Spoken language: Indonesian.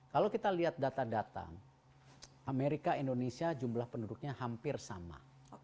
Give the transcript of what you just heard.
kalau kita lihat data data amerika indonesia jumlah penduduknya hampir sama